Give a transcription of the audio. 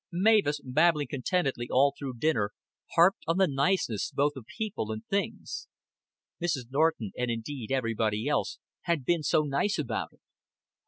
Mavis, babbling contentedly all through dinner, harped on the niceness both of people and things. Mrs. Norton, and indeed everybody else, had been so nice about it.